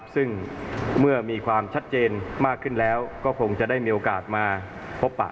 ซึ่งเมื่อมีความชัดเจนมากขึ้นแล้วก็คงจะได้มีโอกาสมาพบปะ